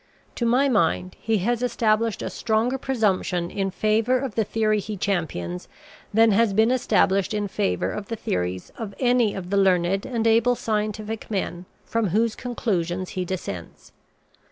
To my mind, he has established a stronger presumption in favor of the theory he champions than has been established in favor of the theories of any of the learned and able scientific men from whose conclusions he dissents.